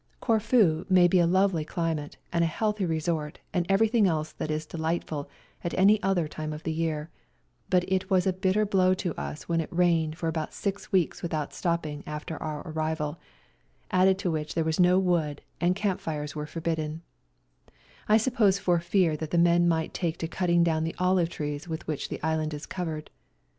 Corfu may be a lovely climate and a health resort and everything else that is delightful at any other time in the year, but it was a bitter blow to us when it rained for about six weeks without stopping after our arrival, added to which there was no wood, and camp fires were forbidden, I suppose for fear that the men might take to cuttinop down the olive trees with which the island is covered.